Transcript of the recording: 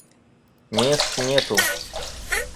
Мест нету.